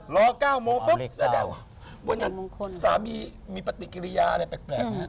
รอ๙โมงปุ๊บแสดงว่าวันนั้นสามีมีปฏิกิริยาอะไรแปลกไหมฮะ